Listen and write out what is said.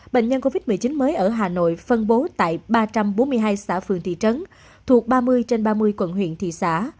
bệnh nhân covid một mươi chín mới ở hà nội phân bố tại ba trăm bốn mươi hai xã phường thị trấn thuộc ba mươi trên ba mươi quận huyện thị xã